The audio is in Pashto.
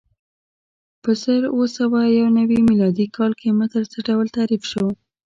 په زر اووه سوه یو نوې میلادي کال کې متر څه ډول تعریف شو؟